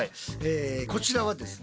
こちらはですね